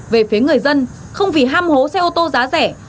về phía người dân không vì ham hố xe ô tô giá rẻ